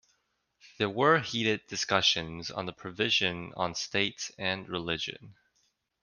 There were heated discussions on the provision on state and religion.